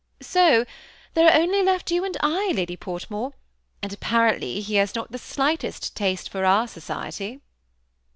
So there are only you and I left. Lady Portmore, and apparently he has not the slightest taste for our society."